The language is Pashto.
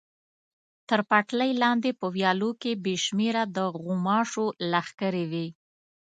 تر پټلۍ لاندې په ویالو کې بې شمېره د غوماشو لښکرې وې.